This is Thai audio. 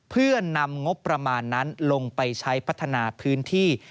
เพื่อนำงบประมาณนั้นลงไปใช้พัฒนาพื้นที่